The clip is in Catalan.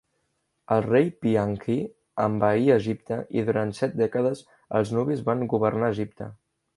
El rei Piankhi envaí Egipte i durant set dècades els nubis van governar Egipte.